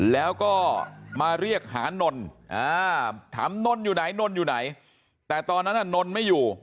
แล้วก็มาเรียกหานนถามนนอยู่ไหนนนอยู่ไหนแต่ตอนนั้นนนไม่อยู่